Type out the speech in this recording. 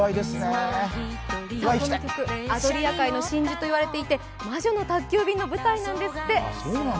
アドリア海の真珠と言われていて「魔女の宅急便」の舞台なんですって。